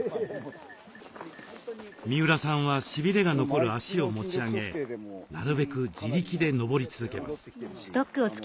三浦さんはしびれが残る足を持ち上げなるべく自力で登り続けます。